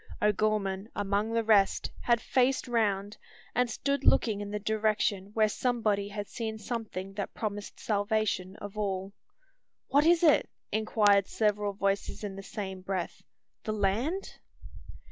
O'Gorman, among the rest, had faced round; and stood looking in the direction where somebody had seen something that promised salvation of all. "What is it?" inquired several voices in the same breath, "the land?"